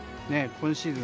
今シーズン